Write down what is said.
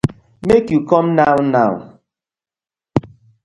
Make you come now now.